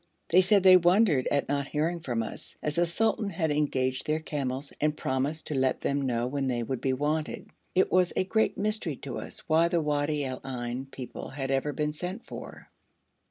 They said they wondered at not hearing from us, as the sultan had engaged their camels and promised to let them know when they would be wanted. It was a great mystery to us why the Wadi al Ain people had ever been sent for.